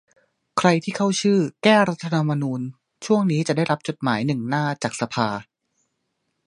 ใครที่เข้าชื่อ แก้รัฐธรรมนูญ ช่วงนี้จะได้รับจดหมายหนึ่งหน้าจากสภา